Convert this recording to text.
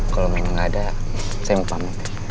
kalau memang gak ada saya mau pamit